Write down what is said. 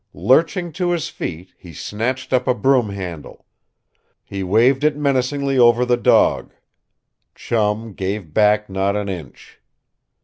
Lurching to his feet, he snatched up a broom handle. He waved it menacingly over the dog. Chum gave back not an inch.